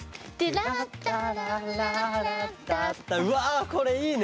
うわこれいいね。